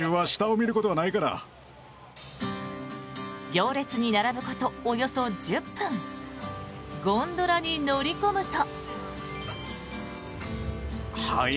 行列に並ぶことおよそ１０分ゴンドラに乗り込むと。